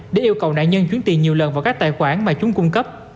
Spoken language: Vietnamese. để yêu cầu nạn nhân chuyển tiền nhiều lần vào các tài khoản mà chúng cung cấp